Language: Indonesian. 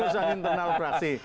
ini soal internal fraksi